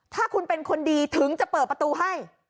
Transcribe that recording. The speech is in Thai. ถ้าคุณเป็นคนดีถึงจะเปิดประตูให้